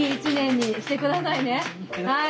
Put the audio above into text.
はい。